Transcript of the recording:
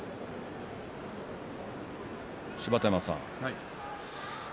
芝田山さん